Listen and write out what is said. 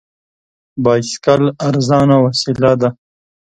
بایسکل ارزانه وسیله ده.